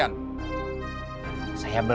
bapak bisa mencoba